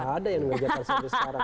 nggak ada yang ngerjakan saat itu sekarang